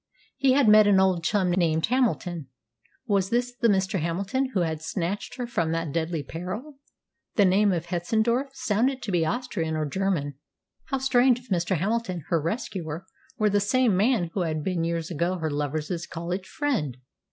He had met an old chum named Hamilton. Was this the Mr. Hamilton who had snatched her from that deadly peril? The name of Hetzendorf sounded to be Austrian or German. How strange if Mr. Hamilton her rescuer were the same man who had been years ago her lover's college friend!